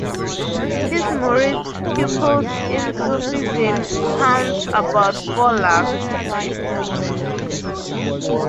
His murids (pupils) in Sufism count about four lakh.